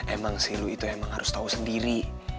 emang sih lo itu emang harus tahu sendiri